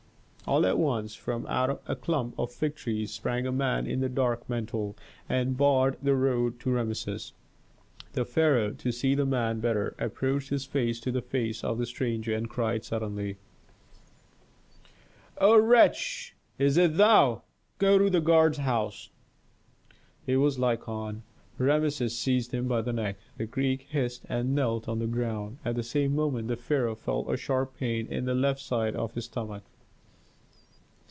All at once, from out a clump of fig trees sprang a man in a dark mantle, and barred the road to Rameses. The pharaoh, to see the man better, approached his face to the face of the stranger and cried suddenly, "O wretch, is it thou? Go to the guard house!" It was Lykon. Rameses seized him by the neck; the Greek hissed and knelt on the ground. At the same moment the pharaoh felt a sharp pain in the left side of his stomach.